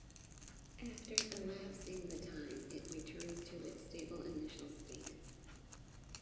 After elapsing the time, it returns to its stable initial state.